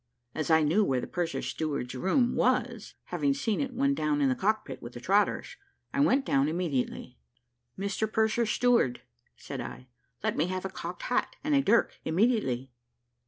As I knew where the purser's steward's room was, having seen it when down in the cock pit with the Trotters, I went down immediately. "Mr Purser's Steward," said I, "let me have a cocked hat and a dirk immediately."